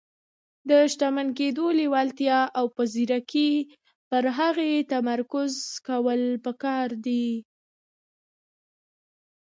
د شتمن کېدو لېوالتیا او په ځيرکۍ پر هغې تمرکز کول پکار دي.